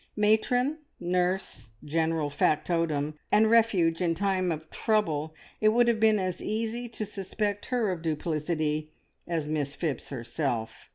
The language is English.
Matron, nurse, general factotum, and refuge in time of trouble, it would have been as easy to suspect her of duplicity as Miss Phipps herself.